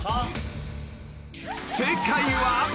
［正解は］